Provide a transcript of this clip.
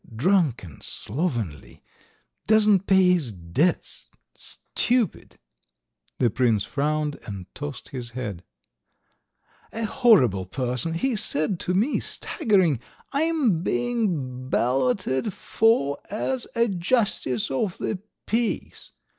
drunken, slovenly ... doesn't pay his debts, stupid" (the prince frowned and tossed his head) ... "a horrible person! He said to me, staggering: 'I'm being balloted for as a justice of the peace!'